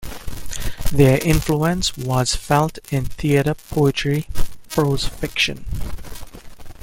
Their influence was felt in theatre, poetry, prose fiction.